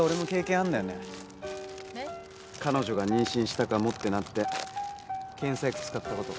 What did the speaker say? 彼女が妊娠したかもってなって検査薬使ったこと。